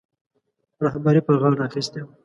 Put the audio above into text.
رهبري پر غاړه اخیستې وه.